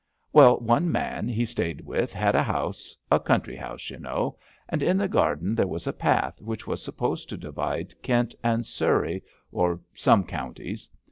Well, one man he stayed with had a house, a country house, y' know, and in the garden there was a path which was supposed to divide Kent and Surrey or some counties.